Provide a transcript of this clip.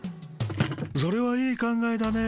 それはいい考えだね。